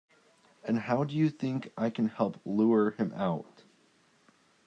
And how do you think I can help lure him out?